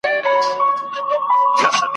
معلم وپوښتی حکمت په زنګوله کي ..